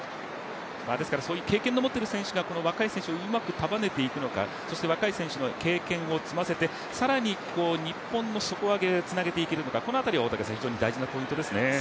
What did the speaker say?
ですからそういう経験を持っている選手が若い選手をうまく束ねていくのか、そして若い選手に経験を積ませて更に日本の底上げにつなげていけるのかこのあたりは非常に大事なポイントですね。